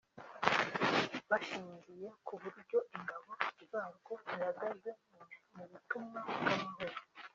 bashingiye ku buryo ingabo zarwo zihagaze mu butumwa bw’amahoro